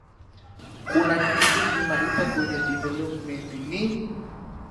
kuna kitu tunaita kwenye development ni